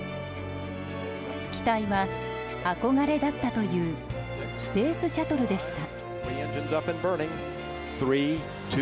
機体は憧れだったという「スペースシャトル」でした。